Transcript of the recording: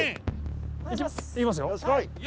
いきますよ？